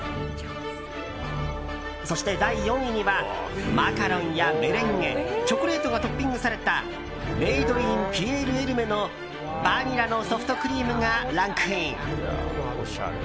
そして第４位にはマカロンやメレンゲチョコレートがトッピングされたＭａｄｅｉｎピエール・エルメのバニラのソフトクリームがランクイン。